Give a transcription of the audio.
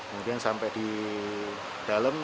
kemudian sampai di dalam